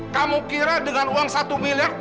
kamu kira dengan uang satu miliar